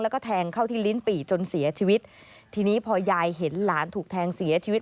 แล้วก็แทงเข้าที่ลิ้นปี่จนเสียชีวิตทีนี้พอยายเห็นหลานถูกแทงเสียชีวิต